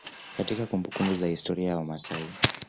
Katika kumbumbuku za historia ya wamasai